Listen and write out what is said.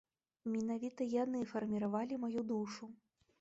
Менавіта яны фарміравалі маю душу.